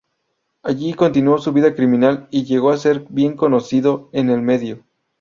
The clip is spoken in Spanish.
Allí continuó su vida criminal y llegó a ser bien conocido en el medio.